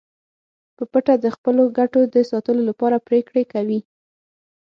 په پټه د خپلو ګټو د ساتلو لپاره پریکړې کوي